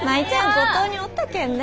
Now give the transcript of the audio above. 五島におったけんね。